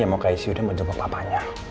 mau ke icu dia mau jumpa papanya